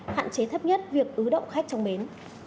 hạn chế thấp nhất việc ứ động khách trong bến